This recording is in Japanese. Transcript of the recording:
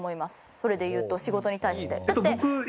それで言うと仕事に対して。